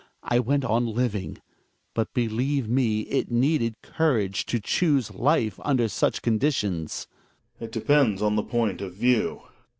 I went on living. But, believe me, it needed courage to choose /i/e under such conditions. Gregers. It depends on the point of view.